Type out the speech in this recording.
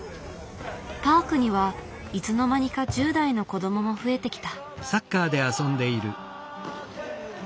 パークにはいつの間にか１０代の子どもも増えてきた。